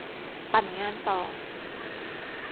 ปั่นงานต่อ